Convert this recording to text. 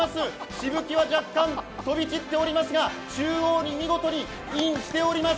しぶきは若干、飛び散っていますが中央に見事にインしております。